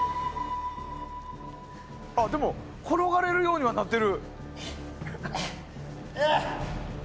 でも、転がれるようにはなってる。